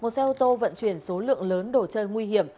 một xe ô tô vận chuyển số lượng lớn đồ chơi nguy hiểm